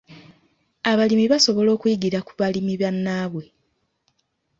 Abalimi basobola okuyigira ku balimi bannaabwe.